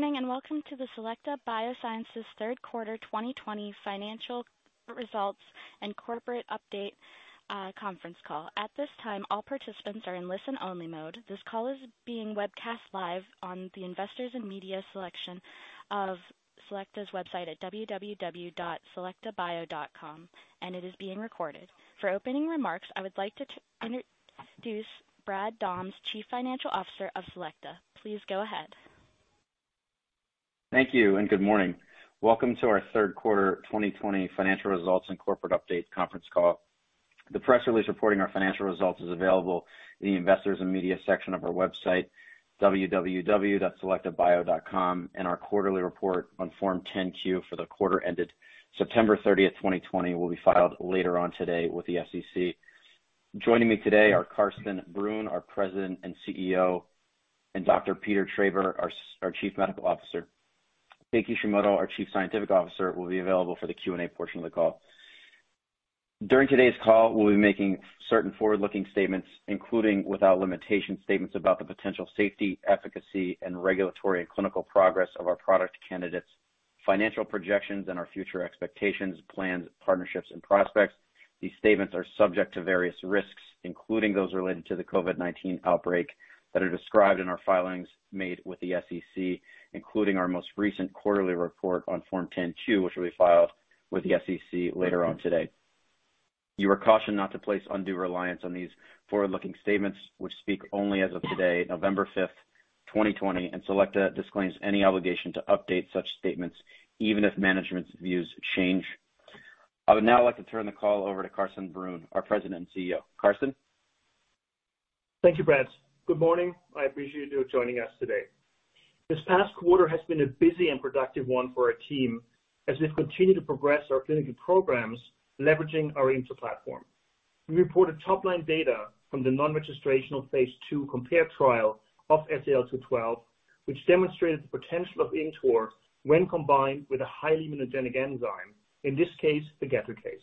Good morning, and welcome to the Selecta Biosciences third quarter 2020 financial results and corporate update conference call. At this time, all participants are in listen-only mode. This call is being webcast live on the Investors and Media selection of Selecta's website at www.selectabio.com, and it is being recorded. For opening remarks, I would like to introduce Brad Dahms, Chief Financial Officer of Selecta. Please go ahead. Thank you. Good morning. Welcome to our third quarter 2020 financial results and corporate update conference call. The press release reporting our financial results is available in the Investors and Media section of our website, selectabio.com, and our quarterly report on Form 10-Q for the quarter ended September 30th, 2020, will be filed later on today with the SEC. Joining me today are Carsten Brunn, our President and Chief Executive Officer, and Dr. Peter Traber, our Chief Medical Officer. Kei Kishimoto, our Chief Scientific Officer, will be available for the Q&A portion of the call. During today's call, we'll be making certain forward-looking statements, including, without limitation, statements about the potential safety, efficacy, and regulatory and clinical progress of our product candidates, financial projections, and our future expectations, plans, partnerships, and prospects. These statements are subject to various risks, including those related to the COVID-19 outbreak that are described in our filings made with the SEC, including our most recent quarterly report on Form 10-Q, which will be filed with the SEC later on today. You are cautioned not to place undue reliance on these forward-looking statements which speak only as of today, November 5th, 2020. Selecta disclaims any obligation to update such statements even if management's views change. I would now like to turn the call over to Carsten Brunn, our President and CEO. Carsten? Thank you, Brad. Good morning. I appreciate you joining us today. This past quarter has been a busy and productive one for our team as we've continued to progress our clinical programs, leveraging our ImmTOR platform. We reported top-line data from the non-registrational phase II COMPARE trial of SEL-212, which demonstrated the potential of ImmTOR when combined with a highly immunogenic enzyme, in this case, pegadricase.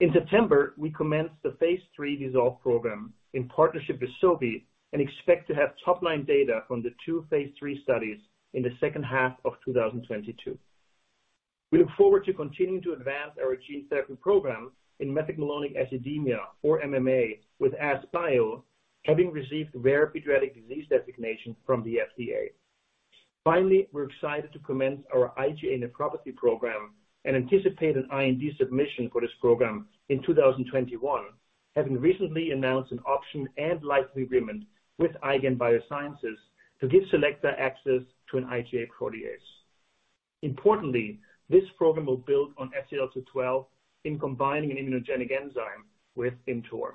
In September, we commenced the phase III DISSOLVE program in partnership with Sobi and expect to have top-line data from the two phase III studies in the second half of 2022. We look forward to continuing to advance our gene therapy program in methylmalonic acidemia, or MMA, with AskBio having received rare pediatric disease designation from the FDA. Finally, we're excited to commence our IgA nephropathy program and anticipate an IND submission for this program in 2021, having recently announced an option and license agreement with IGAN Biosciences to give Selecta access to an IgA protease. Importantly, this program will build on SEL-212 in combining an immunogenic enzyme with ImmTOR.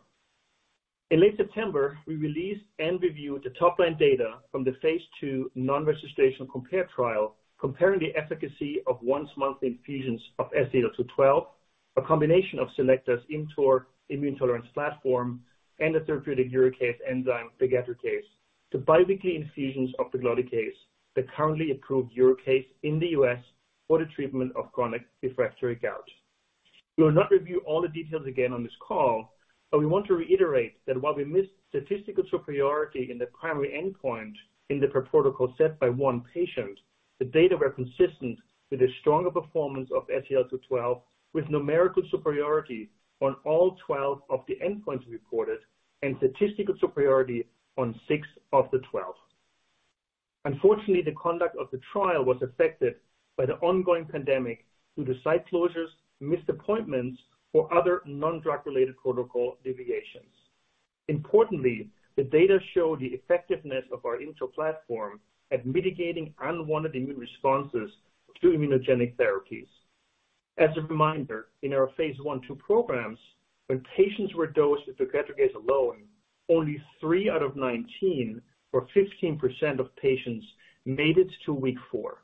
In late September, we released and reviewed the top-line data from the phase II non-registrational COMPARE trial, comparing the efficacy of once-monthly infusions of SEL-212, a combination of Selecta's ImmTOR immune tolerance platform and the therapeutic urate enzyme, pegadricase, to biweekly infusions of pegloticase, the currently approved urate oxidase in the U.S. for the treatment of chronic refractory gout. We will not review all the details again on this call, but we want to reiterate that while we missed statistical superiority in the primary endpoint in the per-protocol set by one patient, the data were consistent with the stronger performance of SEL-212 with numerical superiority on all 12 of the endpoints reported and statistical superiority on six of the 12. Unfortunately, the conduct of the trial was affected by the ongoing pandemic due to site closures, missed appointments, or other non-drug related protocol deviations. Importantly, the data show the effectiveness of our ImmTOR platform at mitigating unwanted immune responses to immunogenic therapies. As a reminder, in our phase I, II programs, when patients were dosed with pegadricase alone, only three out of 19, or 15% of patients, made it to week four.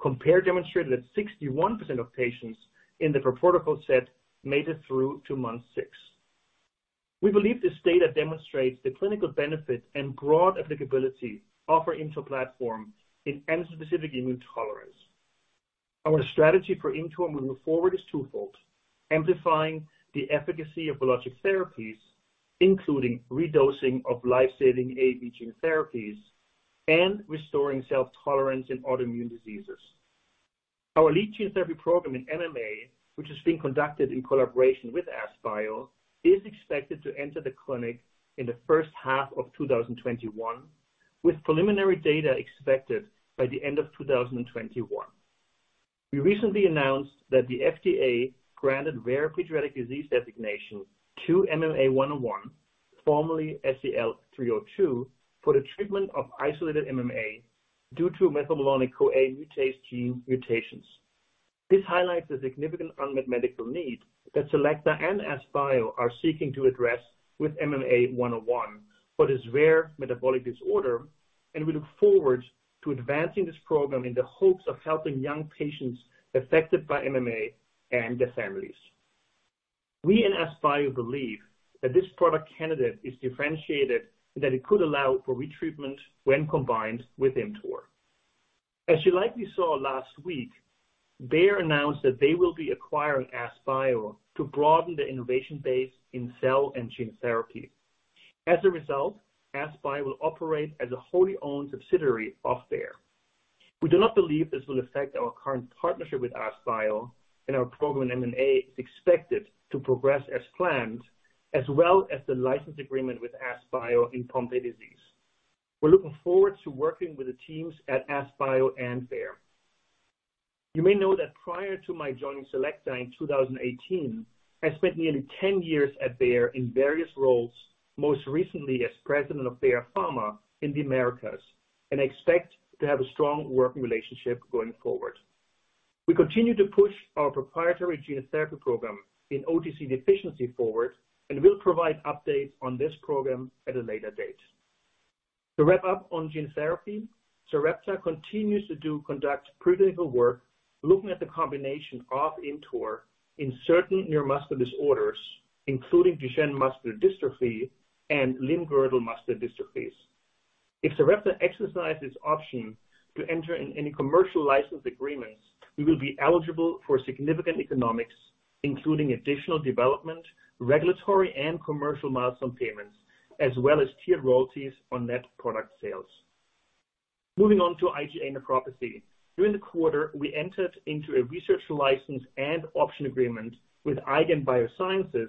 COMPARE demonstrated that 61% of patients in the per-protocol set made it through to month six. We believe this data demonstrates the clinical benefit and broad applicability of our ImmTOR platform in antigen-specific immune tolerance. Our strategy for ImmTOR moving forward is twofold: amplifying the efficacy of biologic therapies, including redosing of life-saving AAV gene therapies and restoring self-tolerance in autoimmune diseases. Our lead gene therapy program in MMA, which is being conducted in collaboration with AskBio, is expected to enter the clinic in the first half of 2021, with preliminary data expected by the end of 2021. We recently announced that the FDA granted rare pediatric disease designation to MMA-101, formerly SEL-302, for the treatment of isolated MMA due to methylmalonyl-CoA mutase gene mutations. This highlights a significant unmet medical need that Selecta Biosciences and AskBio are seeking to address with MMA-101 for this rare metabolic disorder. We look forward to advancing this program in the hopes of helping young patients affected by MMA and their families. We and AskBio believe that this product candidate is differentiated and that it could allow for retreatment when combined with ImmTOR. As you likely saw last week, Bayer announced that they will be acquiring AskBio to broaden their innovation base in cell and gene therapy. As a result, AskBio will operate as a wholly-owned subsidiary of Bayer. We do not believe this will affect our current partnership with AskBio. Our program in MMA is expected to progress as planned, as well as the license agreement with AskBio in Pompe disease. We're looking forward to working with the teams at AskBio and Bayer. You may know that prior to my joining Selecta in 2018, I spent nearly 10 years at Bayer in various roles, most recently as president of Bayer Pharma in the Americas. Expect to have a strong working relationship going forward. We continue to push our proprietary gene therapy program in OTC deficiency forward and will provide updates on this program at a later date. To wrap up on gene therapy, Sarepta continues to conduct preclinical work looking at the combination of ImmTOR in certain neuromuscular disorders, including Duchenne muscular dystrophy and limb-girdle muscular dystrophies. If Sarepta exercises options to enter in any commercial license agreements, we will be eligible for significant economics, including additional development, regulatory, and commercial milestone payments, as well as tiered royalties on net product sales. Moving on to IgA nephropathy. During the quarter, we entered into a research license and option agreement with IGAN Biosciences,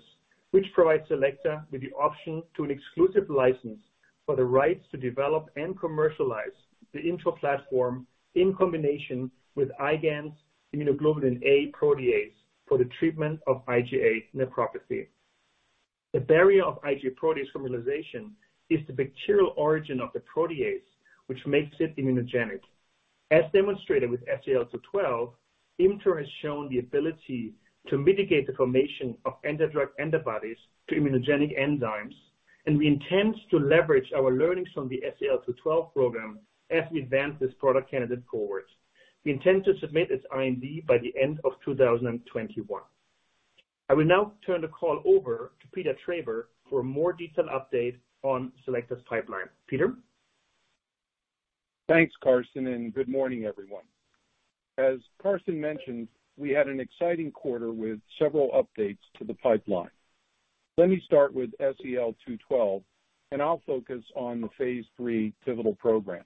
which provides Selecta with the option to an exclusive license for the rights to develop and commercialize the ImmTOR platform in combination with IGAN's immunoglobulin A protease for the treatment of IgA nephropathy. The barrier of IgA protease formulation is the bacterial origin of the protease, which makes it immunogenic. As demonstrated with SEL-212, ImmTOR has shown the ability to mitigate the formation of anti-drug antibodies to immunogenic enzymes, and we intend to leverage our learnings from the SEL-212 program as we advance this product candidate forward. We intend to submit its IND by the end of 2021. I will now turn the call over to Peter Traber for a more detailed update on Selecta's pipeline. Peter? Thanks, Carsten, and good morning, everyone. As Carsten mentioned, we had an exciting quarter with several updates to the pipeline. Let me start with SEL-212, and I'll focus on the phase III pivotal program.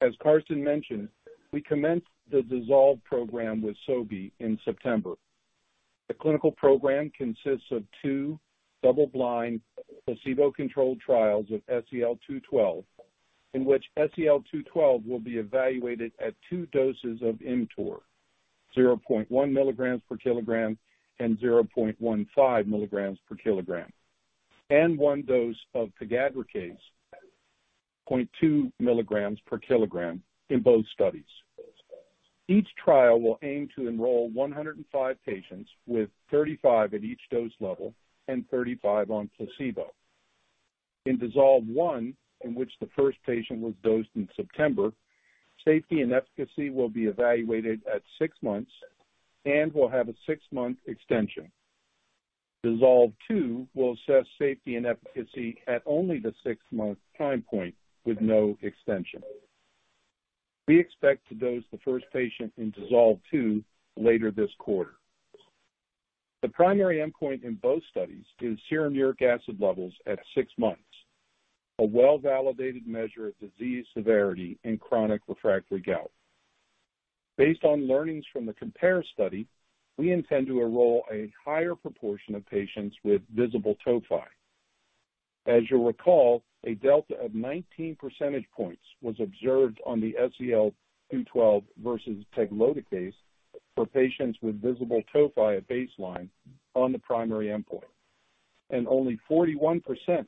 As Carsten mentioned, we commenced the DISSOLVE program with Sobi in September. The clinical program consists of two double-blind, placebo-controlled trials of SEL-212, in which SEL-212 will be evaluated at two doses of ImmTOR, 0.1 milligrams per kilogram and 0.15 milligrams per kilogram, and one dose of pegadricase, 0.2 milligrams per kilogram in both studies. Each trial will aim to enroll 105 patients, with 35 at each dose level and 35 on placebo. In DISSOLVE I, in which the first patient was dosed in September, safety and efficacy will be evaluated at six months and will have a six-month extension. DISSOLVE II will assess safety and efficacy at only the 6-month time point with no extension. We expect to dose the first patient in DISSOLVE II later this quarter. The primary endpoint in both studies is serum uric acid levels at 6 months, a well-validated measure of disease severity in chronic refractory gout. Based on learnings from the COMPARE study, we intend to enroll a higher proportion of patients with visible tophi. As you'll recall, a delta of 19 percentage points was observed on the SEL-212 versus pegloticase for patients with visible tophi at baseline on the primary endpoint, and only 41%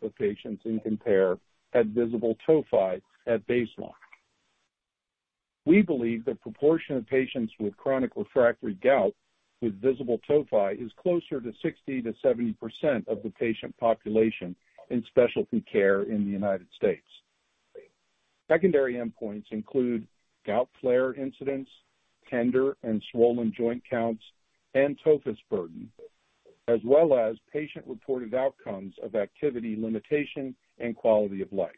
of patients in COMPARE had visible tophi at baseline. We believe the proportion of patients with chronic refractory gout with visible tophi is closer to 60%-70% of the patient population in specialty care in the United States. Secondary endpoints include gout flare incidence, tender and swollen joint counts, and tophus burden, as well as patient-reported outcomes of activity limitation and quality of life.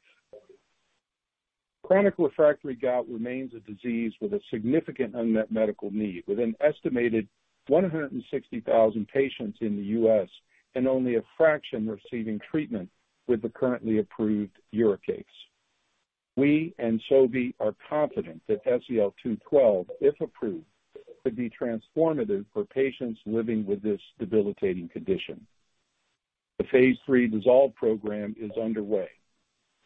Chronic refractory gout remains a disease with a significant unmet medical need, with an estimated 160,000 patients in the U.S. and only a fraction receiving treatment with the currently approved urate oxidase. We and Sobi are confident that SEL-212, if approved, could be transformative for patients living with this debilitating condition. The phase III DISSOLVE program is underway.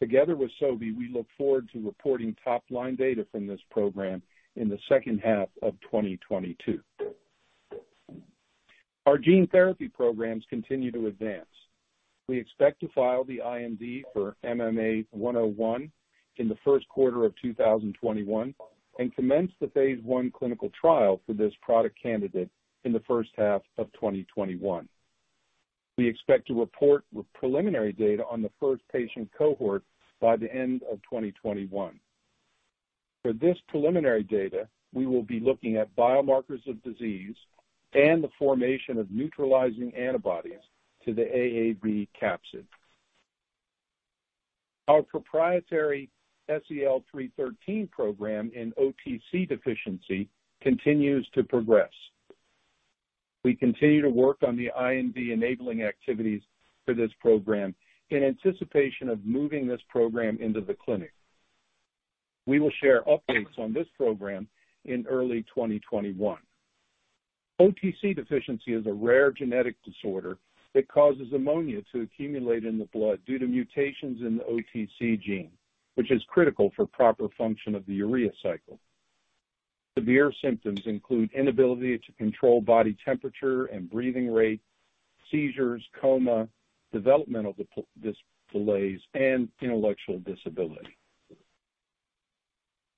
Together with Sobi, we look forward to reporting top-line data from this program in the second half of 2022. Our gene therapy programs continue to advance. We expect to file the IND for MMA-101 in the first quarter of 2021 and commence the phase I clinical trial for this product candidate in the first half of 2021. We expect to report preliminary data on the first patient cohort by the end of 2021. For this preliminary data, we will be looking at biomarkers of disease and the formation of neutralizing antibodies to the AAV capsid. Our proprietary SEL-313 program in OTC deficiency continues to progress. We continue to work on the IND-enabling activities for this program in anticipation of moving this program into the clinic. We will share updates on this program in early 2021. OTC deficiency is a rare genetic disorder that causes ammonia to accumulate in the blood due to mutations in the OTC gene, which is critical for proper function of the urea cycle. Severe symptoms include inability to control body temperature and breathing rate, seizures, coma, developmental delays, and intellectual disability.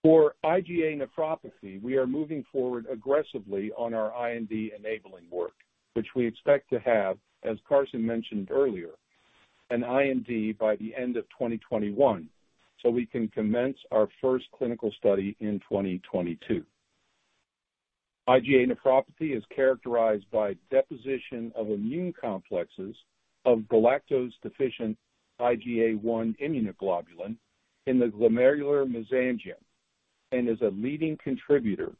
For IgA nephropathy, we are moving forward aggressively on our IND-enabling work, which we expect to have, as Carsten mentioned earlier, an IND by the end of 2021, so we can commence our first clinical study in 2022. IgA nephropathy is characterized by deposition of immune complexes of galactose-deficient IgA1 immunoglobulin in the glomerular mesangium and is a leading contributor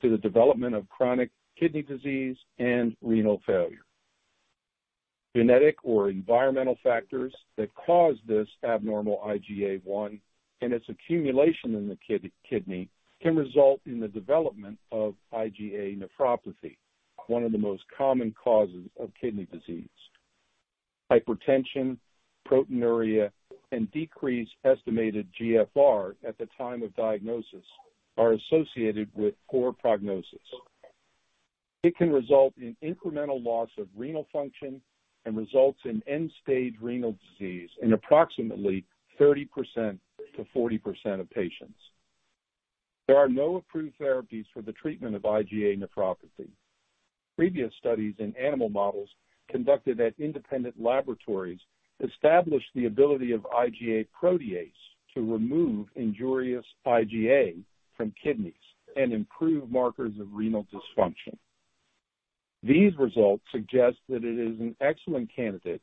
to the development of chronic kidney disease and renal failure. Genetic or environmental factors that cause this abnormal IgA1 and its accumulation in the kidney can result in the development of IgA nephropathy, one of the most common causes of kidney disease. Hypertension, proteinuria, and decreased estimated GFR at the time of diagnosis are associated with poor prognosis. It can result in incremental loss of renal function and results in end-stage renal disease in approximately 30%-40% of patients. There are no approved therapies for the treatment of IgA nephropathy. Previous studies in animal models conducted at independent laboratories established the ability of IgA protease to remove injurious IgA from kidneys and improve markers of renal dysfunction. These results suggest that it is an excellent candidate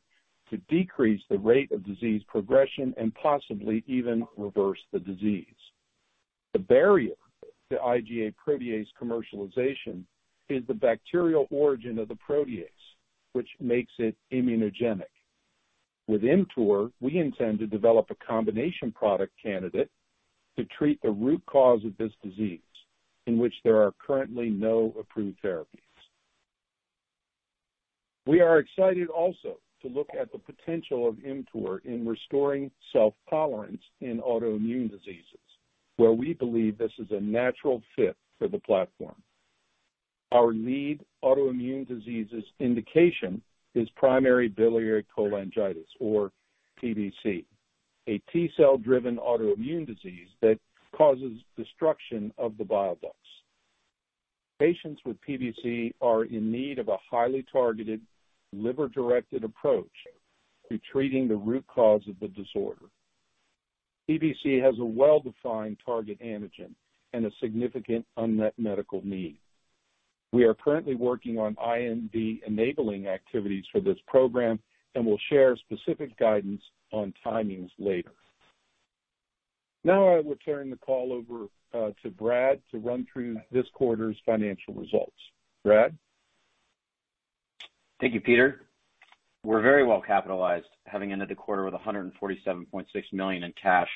to decrease the rate of disease progression and possibly even reverse the disease. The barrier to IgA protease commercialization is the bacterial origin of the protease, which makes it immunogenic. With ImmTOR, we intend to develop a combination product candidate to treat the root cause of this disease, in which there are currently no approved therapies. We are excited also to look at the potential of ImmTOR in restoring self-tolerance in autoimmune diseases, where we believe this is a natural fit for the platform. Our lead autoimmune diseases indication is primary biliary cholangitis, or PBC, a T cell-driven autoimmune disease that causes destruction of the bile ducts. Patients with PBC are in need of a highly targeted liver-directed approach to treating the root cause of the disorder. PBC has a well-defined target antigen and a significant unmet medical need. We are currently working on IND-enabling activities for this program and will share specific guidance on timings later. I will turn the call over to Brad to run through this quarter's financial results. Brad? Thank you, Peter. We're very well capitalized, having ended the quarter with $147.6 million in cash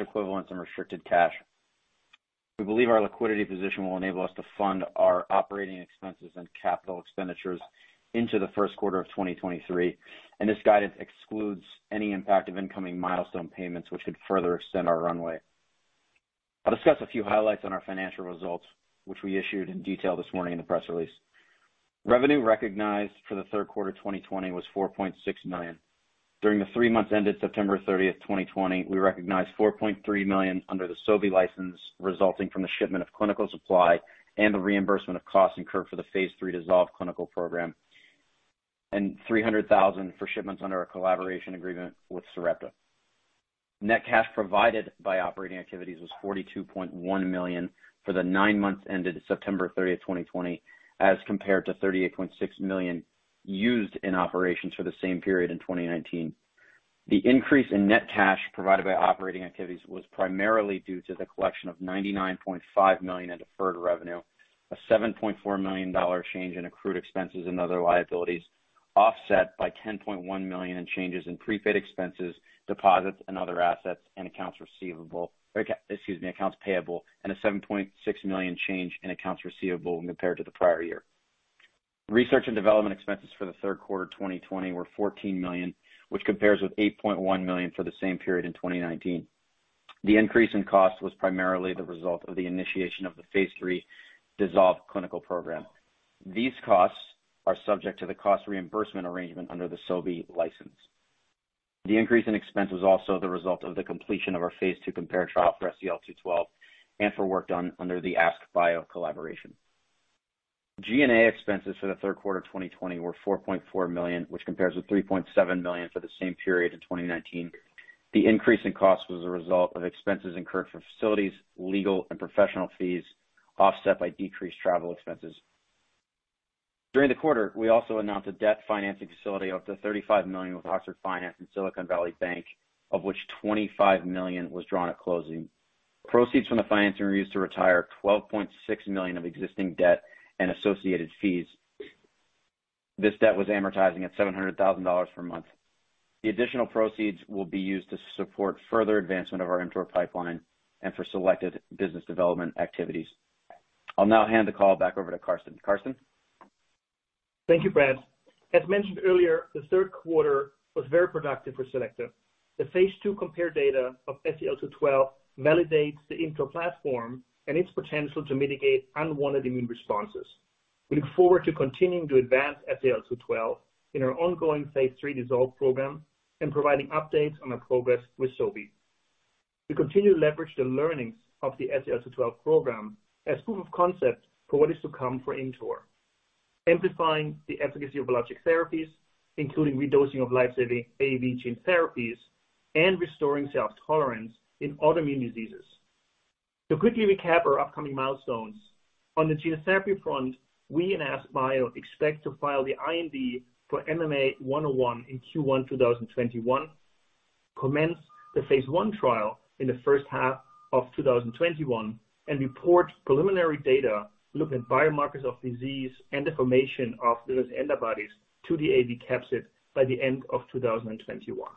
equivalents and restricted cash. We believe our liquidity position will enable us to fund our operating expenses and capital expenditures into the first quarter of 2023. This guidance excludes any impact of incoming milestone payments, which should further extend our runway. I'll discuss a few highlights on our financial results, which we issued in detail this morning in the press release. Revenue recognized for the third quarter 2020 was $4.6 million. During the three months ended September 30th, 2020, we recognized $4.3 million under the Sobi license resulting from the shipment of clinical supply and the reimbursement of costs incurred for the phase III DISSOLVE clinical program. $300,000 for shipments under our collaboration agreement with Sarepta. Net cash provided by operating activities was $42.1 million for the nine months ended September 30th, 2020, as compared to $38.6 million used in operations for the same period in 2019. The increase in net cash provided by operating activities was primarily due to the collection of $99.5 million in deferred revenue, a $7.4 million change in accrued expenses and other liabilities, offset by $10.1 million in changes in prepaid expenses, deposits and other assets, and Excuse me, accounts payable and a $7.6 million change in accounts receivable compared to the prior year. Research and development expenses for the third quarter 2020 were $14 million, which compares with $8.1 million for the same period in 2019. The increase in cost was primarily the result of the initiation of the phase III DISSOLVE clinical program. These costs are subject to the cost reimbursement arrangement under the Sobi license. The increase in expense was also the result of the completion of our phase II COMPARE trial for SEL-212 and for work done under the AskBio collaboration. G&A expenses for the third quarter 2020 were $4.4 million, which compares with $3.7 million for the same period in 2019. The increase in cost was a result of expenses incurred for facilities, legal, and professional fees, offset by decreased travel expenses. During the quarter, we also announced a debt financing facility of the $35 million with Oxford Finance and Silicon Valley Bank, of which $25 million was drawn at closing. Proceeds from the financing were used to retire $12.6 million of existing debt and associated fees. This debt was amortizing at $700,000 per month. The additional proceeds will be used to support further advancement of our ImmTOR pipeline and for selected business development activities. I'll now hand the call back over to Carsten. Carsten? Thank you, Brad. As mentioned earlier, the third quarter was very productive for Selecta. The phase II COMPARE data of SEL-212 validates the ImmTOR platform and its potential to mitigate unwanted immune responses. We look forward to continuing to advance SEL-212 in our ongoing phase III DISSOLVE program and providing updates on our progress with Sobi. We continue to leverage the learnings of the SEL-212 program as proof of concept for what is to come for ImmTOR, amplifying the efficacy of biologic therapies, including redosing of life-saving AAV gene therapies and restoring self-tolerance in autoimmune diseases. To quickly recap our upcoming milestones, on the gene therapy front, we and AskBio expect to file the IND for MMA-101 in Q1 2021, commence the phase I trial in the first half of 2021, and report preliminary data looking at biomarkers of disease and the formation of those antibodies to the AAV capsid by the end of 2021.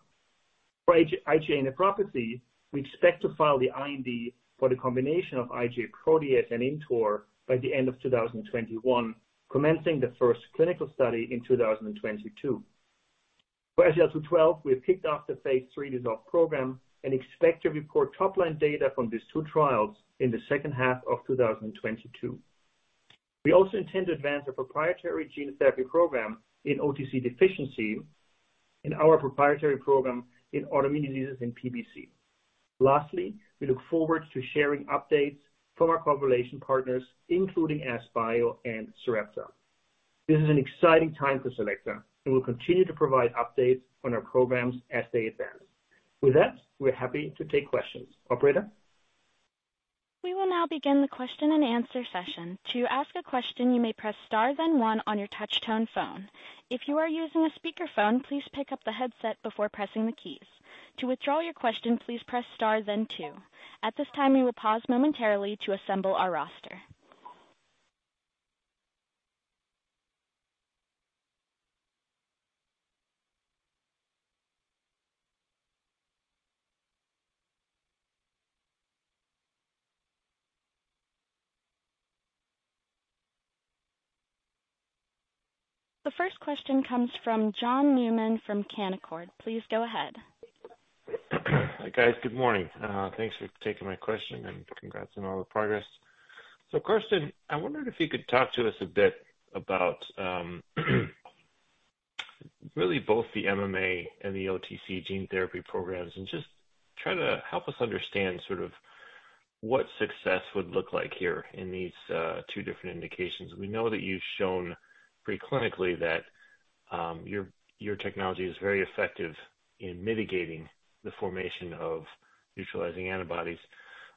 For IgA nephropathy, we expect to file the IND for the combination of IgA protease and ImmTOR by the end of 2021, commencing the first clinical study in 2022. For SEL-212, we have kicked off the phase III DISSOLVE program and expect to report top-line data from these two trials in the second half of 2022. We also intend to advance our proprietary gene therapy program in OTC deficiency and our proprietary program in autoimmune diseases in PBC. Lastly, we look forward to sharing updates from our collaboration partners, including AskBio and Sarepta. This is an exciting time for Selecta, and we'll continue to provide updates on our programs as they advance. With that, we're happy to take questions. Operator? The first question comes from John Newman from Canaccord. Please go ahead. Hi, guys. Good morning. Thanks for taking my question, and congrats on all the progress. Carsten, I wondered if you could talk to us a bit about really both the MMA and the OTC gene therapy programs, and just try to help us understand sort of what success would look like here in these two different indications. We know that you've shown pre-clinically that your technology is very effective in mitigating the formation of neutralizing antibodies.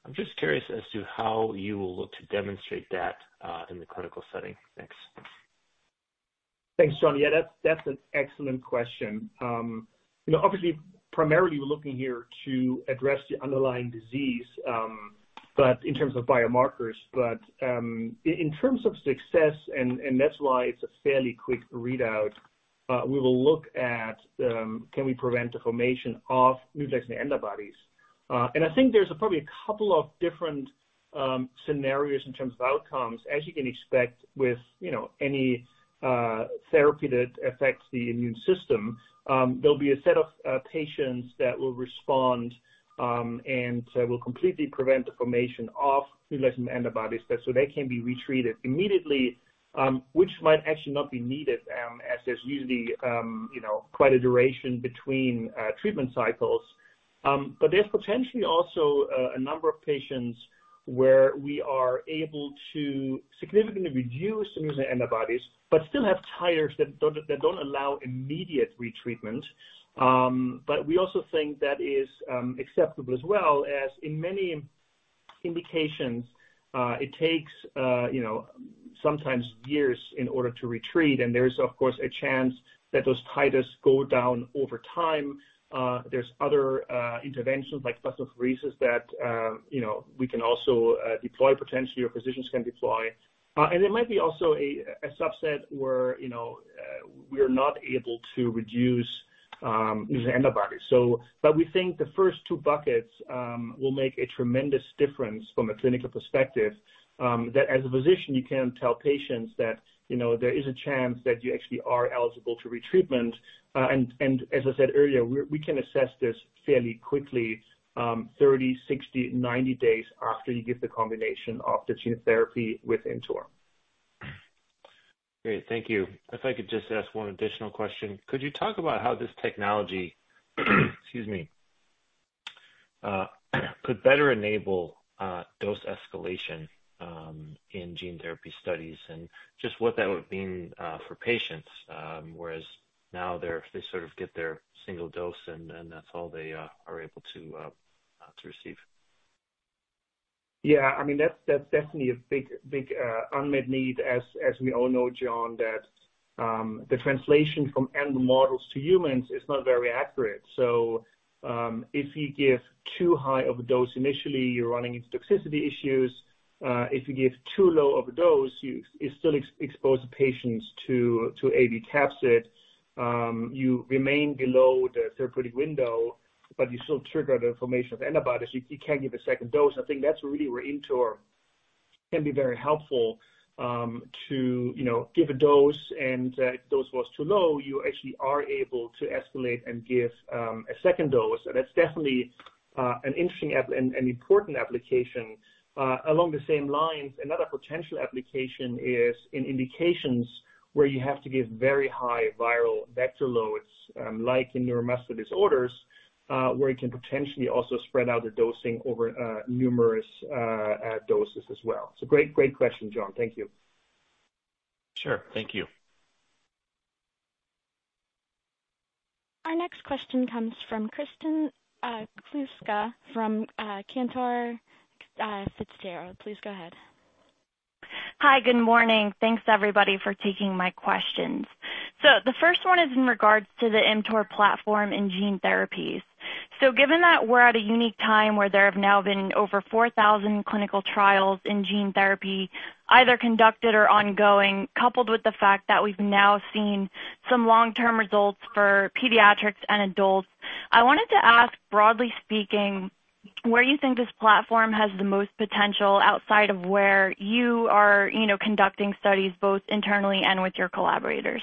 I'm just curious as to how you will look to demonstrate that in the clinical setting. Thanks. Thanks, John. Yeah, that's an excellent question. Obviously, primarily, we're looking here to address the underlying disease, but in terms of biomarkers. In terms of success, and that's why it's a fairly quick readout, we will look at can we prevent the formation of neutralizing antibodies. I think there's probably a couple of different scenarios in terms of outcomes. As you can expect with any therapy that affects the immune system, there'll be a set of patients that will respond and will completely prevent the formation of neutralizing antibodies. They can be retreated immediately which might actually not be needed, as there's usually quite a duration between treatment cycles. There's potentially also a number of patients where we are able to significantly reduce the antibodies, but still have titers that don't allow immediate retreatment. We also think that is acceptable as well as in many indications, it takes sometimes years in order to retreat, and there's of course a chance that those titers go down over time. There's other interventions like plasmapheresis that we can also deploy potentially, or physicians can deploy. There might be also a subset where we're not able to reduce these antibodies. We think the first two buckets will make a tremendous difference from a clinical perspective, that as a physician, you can tell patients that there is a chance that you actually are eligible to retreatment. As I said earlier, we can assess this fairly quickly, 30, 60, 90 days after you give the combination of the gene therapy with ImmTOR. Great. Thank you. If I could just ask one additional question, could you talk about how this technology excuse me could better enable dose escalation in gene therapy studies and just what that would mean for patients? Whereas now they sort of get their single dose and that's all they are able to receive. That's definitely a big unmet need as we all know, John, that the translation from animal models to humans is not very accurate. If you give too high of a dose initially, you're running into toxicity issues. If you give too low of a dose, you still expose patients to AAV capsid. You remain below the therapeutic window, but you still trigger the formation of antibodies. You can give a second dose. I think that's really where ImmTOR can be very helpful to give a dose, and if the dose was too low, you actually are able to escalate and give a second dose. That's definitely an interesting and important application. Along the same lines, another potential application is in indications where you have to give very high viral vector loads, like in neuromuscular disorders, where you can potentially also spread out the dosing over numerous doses as well. Great question, John. Thank you. Sure. Thank you. Our next question comes from Kristen Kluska from Cantor Fitzgerald. Please go ahead. Hi. Good morning. Thanks, everybody, for taking my questions. The first one is in regards to the ImmTOR platform in gene therapies. Given that we're at a unique time where there have now been over 4,000 clinical trials in gene therapy, either conducted or ongoing, coupled with the fact that we've now seen some long-term results for pediatrics and adults, I wanted to ask, broadly speaking, where you think this platform has the most potential outside of where you are conducting studies both internally and with your collaborators.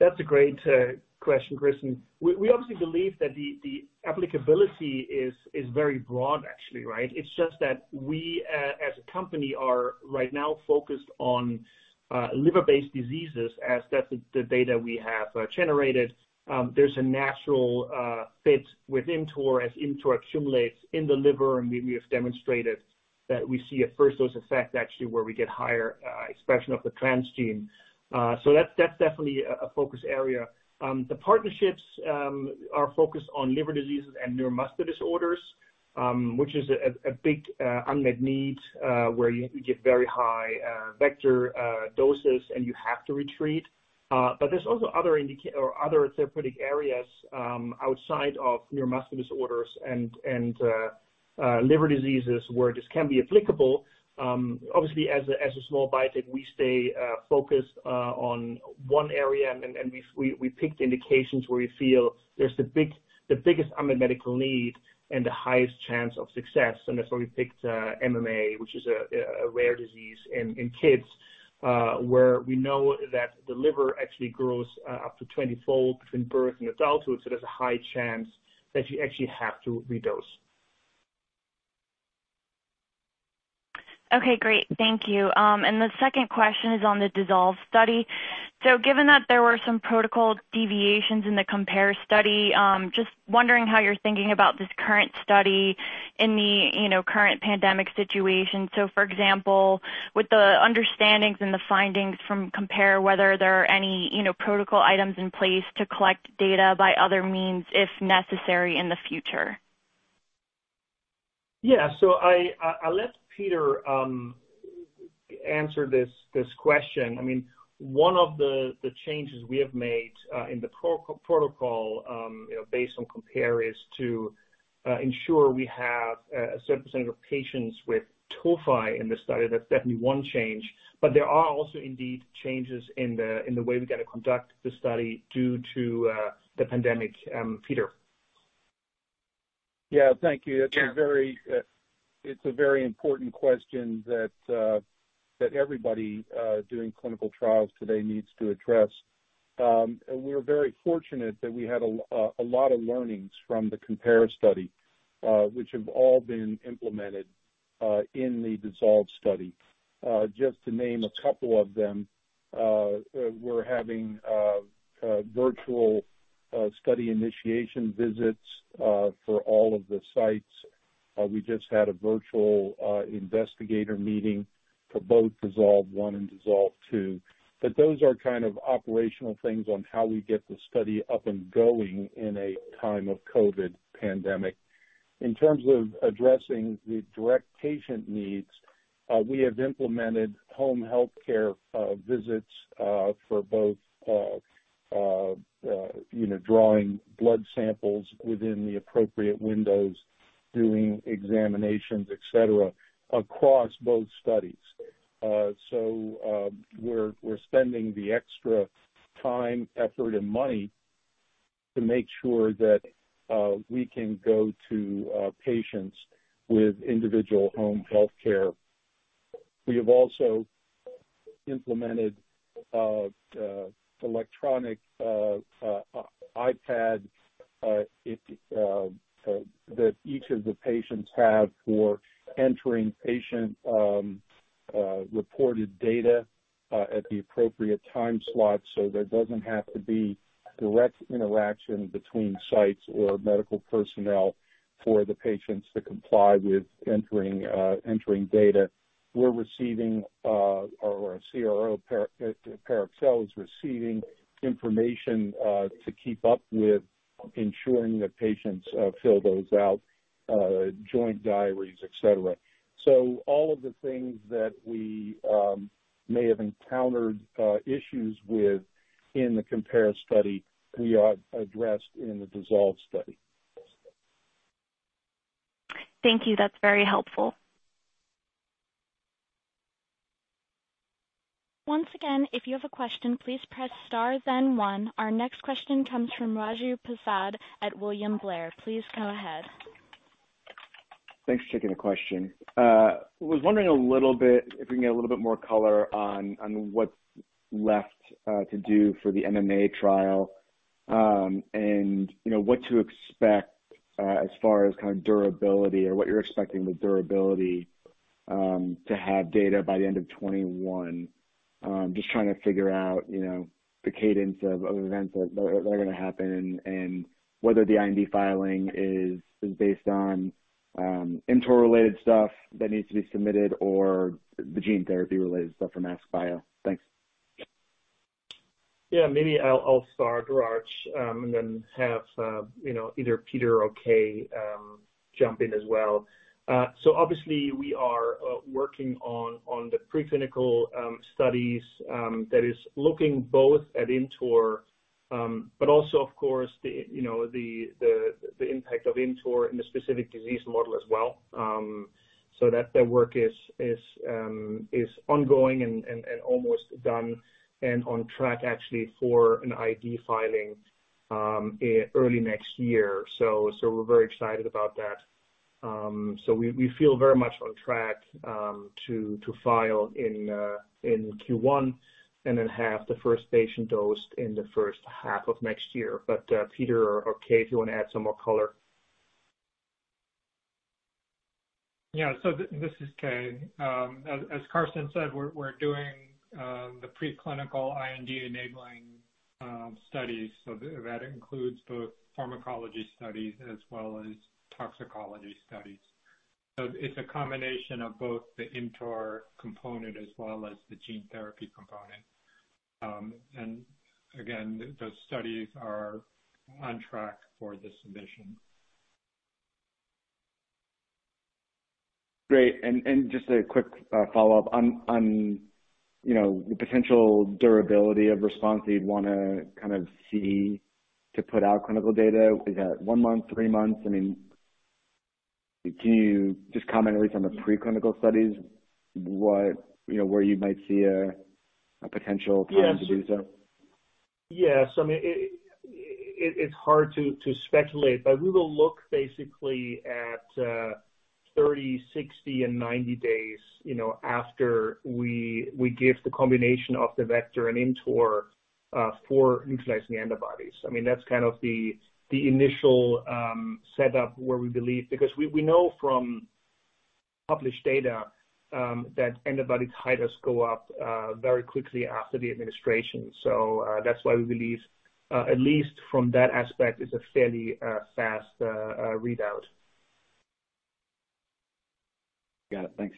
That's a great question, Kristen. We obviously believe that the applicability is very broad, actually, right? It's just that we, as a company, are right now focused on liver-based diseases as that's the data we have generated. There's a natural fit with ImmTOR as ImmTOR accumulates in the liver, and we have demonstrated that we see a first dose effect, actually, where we get higher expression of the transgene. That's definitely a focus area. The partnerships are focused on liver diseases and neuromuscular disorders, which is a big unmet need, where you have to give very high vector doses, and you have to re-treat. There's also other therapeutic areas outside of neuromuscular disorders and liver diseases where this can be applicable. Obviously, as a small biotech, we stay focused on one area, and we pick the indications where we feel there's the biggest unmet medical need and the highest chance of success. That's why we picked MMA, which is a rare disease in kids, where we know that the liver actually grows up to 20-fold between birth and adulthood. There's a high chance that you actually have to re-dose. Okay, great. Thank you. The second question is on the DISSOLVE study. Given that there were some protocol deviations in the COMPARE study, just wondering how you're thinking about this current study in the current pandemic situation. For example, with the understandings and the findings from COMPARE, whether there are any protocol items in place to collect data by other means if necessary in the future. Yeah. I'll let Peter answer this question. One of the changes we have made in the protocol based on COMPARE is to ensure we have a certain percentage of patients with tophi in the study. That's definitely one change. There are also indeed changes in the way we're going to conduct the study due to the pandemic. Peter? Yeah. Thank you. It's a very important question that everybody doing clinical trials today needs to address. We're very fortunate that we had a lot of learnings from the COMPARE study, which have all been implemented in the DISSOLVE study. Just to name a couple of them, we're having virtual study initiation visits for all of the sites. We just had a virtual investigator meeting for both DISSOLVE I and DISSOLVE II. Those are kind of operational things on how we get the study up and going in a time of COVID pandemic. In terms of addressing the direct patient needs, we have implemented home healthcare visits for both drawing blood samples within the appropriate windows, doing examinations, et cetera, across both studies. We're spending the extra time, effort, and money to make sure that we can go to patients with individual home healthcare. We have also implemented electronic iPads that each of the patients have for entering patient-reported data at the appropriate time slots, so there doesn't have to be direct interaction between sites or medical personnel for the patients to comply with entering data. We're receiving, or our CRO, Parexel, is receiving information to keep up with Ensuring that patients fill those out, joint diaries, et cetera. All of the things that we may have encountered issues with in the COMPARE study, we addressed in the DISSOLVE study. Thank you. That's very helpful. Once again, if you have a question, please press star then one. Our next question comes from Raju Prasad at William Blair. Please go ahead. Thanks for taking the question. Was wondering a little bit if we can get a little bit more color on what's left to do for the MMA trial, and what to expect as far as kind of durability or what you're expecting with durability, to have data by the end of 2021. Just trying to figure out the cadence of events that are going to happen and whether the IND filing is based on ImmTOR-related stuff that needs to be submitted or the gene therapy-related stuff from AskBio. Thanks. Yeah. Maybe I'll start, Raju Prasad, and then have either Peter or Kei jump in as well. Obviously we are working on the preclinical studies, that is looking both at ImmTOR but also of course the impact of ImmTOR in the specific disease model as well. That work is ongoing and almost done and on track actually for an IND filing early next year. We're very excited about that. We feel very much on track to file in Q1 and then have the first patient dosed in the first half of next year. Peter or Kei, if you want to add some more color. This is Kei. As Carsten said, we're doing the preclinical IND-enabling studies. That includes both pharmacology studies as well as toxicology studies. It's a combination of both the ImmTOR component as well as the gene therapy component. Again, the studies are on track for the submission. Great. Just a quick follow-up. On the potential durability of response that you'd want to kind of see to put out clinical data, is that one month, three months? Can you just comment at least on the preclinical studies, where you might see a potential time to do so? Yes. It's hard to speculate, we will look basically at 30, 60, and 90 days after we give the combination of the vector and ImmTOR for neutralizing antibodies. That's kind of the initial setup where we believe, because we know from published data that antibody titers go up very quickly after the administration. That's why we believe, at least from that aspect, it's a fairly fast readout. Got it. Thanks.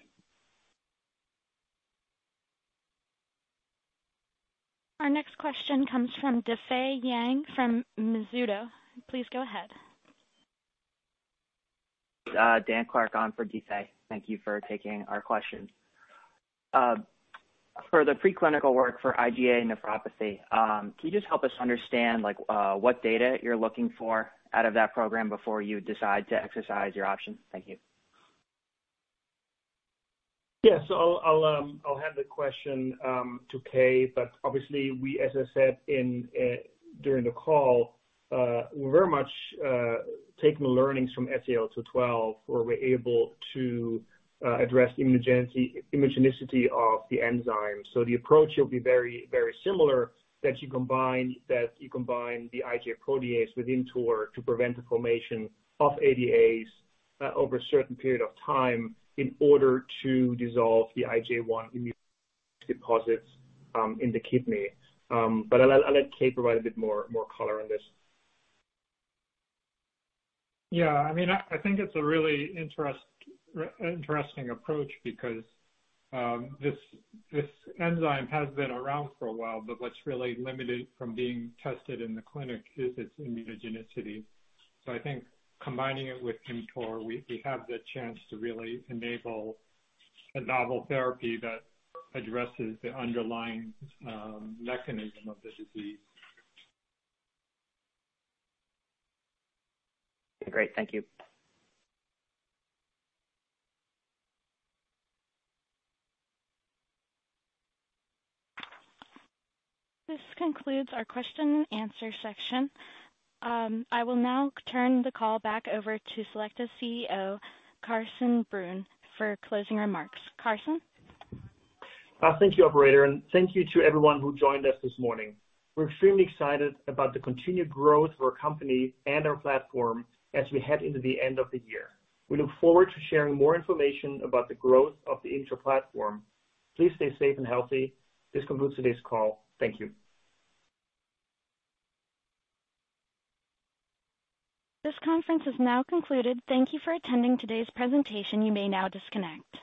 Our next question comes from Difei Yang from Mizuho. Please go ahead. Daniel Clark on for Difei. Thank you for taking our question. For the preclinical work for IgA nephropathy, can you just help us understand what data you are looking for out of that program before you decide to exercise your option? Thank you. I'll hand the question to Kei. Obviously we, as I said during the call, we're very much taking the learnings from SEL-212, where we're able to address immunogenicity of the enzyme. The approach will be very similar, that you combine the IgA protease with ImmTOR to prevent the formation of ADAs over a certain period of time in order to dissolve the IgA1 immune deposits in the kidney. I'll let Kei provide a bit more color on this. Yeah. I think it's a really interesting approach because this enzyme has been around for a while, but what's really limited from being tested in the clinic is its immunogenicity. I think combining it with ImmTOR, we have the chance to really enable a novel therapy that addresses the underlying mechanism of the disease. Great. Thank you. This concludes our question and answer section. I will now turn the call back over to Selecta's CEO, Carsten Brunn, for closing remarks. Carsten? Thank you, operator. Thank you to everyone who joined us this morning. We're extremely excited about the continued growth of our company and our platform as we head into the end of the year. We look forward to sharing more information about the growth of the ImmTOR platform. Please stay safe and healthy. This concludes today's call. Thank you. This conference is now concluded. Thank you for attending today's presentation. You may now disconnect.